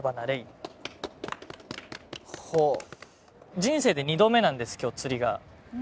人生で２度目なんです今日釣りが。